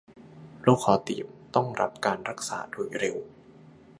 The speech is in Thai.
โรคคอตีบต้องรับการรักษาโดยเร็ว